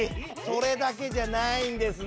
それだけじゃないんですね。